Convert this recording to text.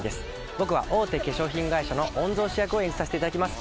僕は大手化粧品会社の御曹司役を演じさせていただきます。